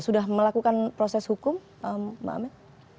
sudah melakukan proses hukum mbak amel